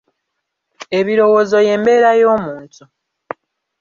Ebirowoozo ye mbeera y'omuntu.